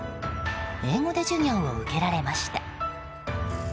英語で授業を受けられました。